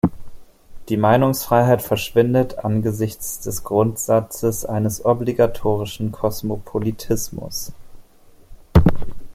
Die Meinungsfreiheit verschwindet angesichts des Grundsatzes eines obligatorischen Kosmopolitismus.